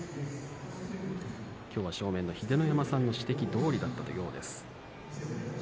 今日は正面の秀ノ山さんのご指摘どおりだったということです。